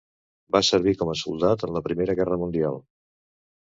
Va servir com a soldat en la Primera Guerra Mundial.